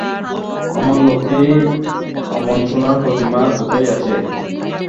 অমন লক্ষ্মী অমন সোনার প্রতিমা আর কোথায় আছে।